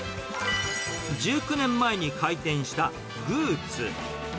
１９年前に開店したグーツ。